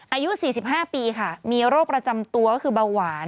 อายุ๔๕ปีค่ะมีโรคประจำตัวก็คือเบาหวาน